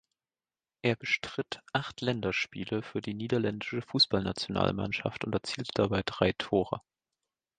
Er bestritt acht Länderspiele für die niederländische Fußballnationalmannschaft und erzielte dabei drei Tore.